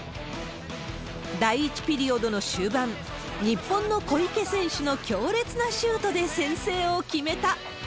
第１ピリオドの終盤、日本の小池選手の強烈なシュートで先制を決めた。